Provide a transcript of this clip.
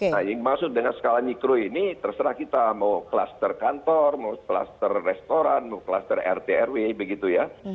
nah yang masuk dengan skala mikro ini terserah kita mau kluster kantor mau kluster restoran mau kluster rt rw begitu ya